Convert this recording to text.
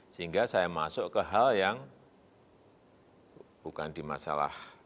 sehingga saya masuk ke hal yang bukan di masalah